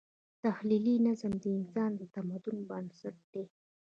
تخیلي نظم د انسان د تمدن بنسټ دی.